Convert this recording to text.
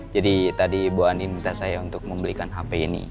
jadi tadi ibu andi minta saya untuk membelikan hp ini